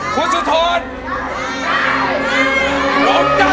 คุณสุธน